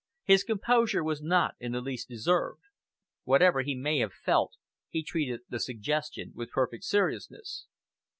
His composure was not in the least disturbed. Whatever he may have felt, he treated the suggestion with perfect seriousness.